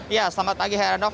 ya selamat pagi heranov